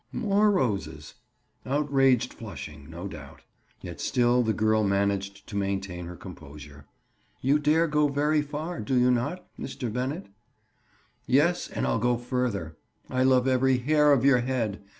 More roses! Outraged flushing, no doubt! Yet still the girl managed to maintain her composure. "You dare go very far, do you not, Mr. Bennett?" "Yes; and I'll go further. I love every hair of your head.